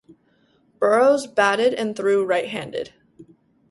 Burroughs batted and threw right-handed.